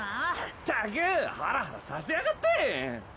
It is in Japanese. ったくハラハラさせやがって！